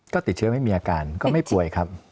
ก็ติดเชื้อไม่มีอาการก็ไม่ป่วยครับ